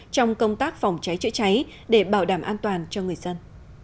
trong công tác phòng cháy chữa cháy để bảo đảm an toàn cho người dân